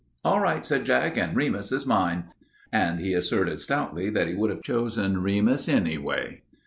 "All right," said Jack, "and Remus is mine." And he asserted stoutly that he would have chosen Remus anyway.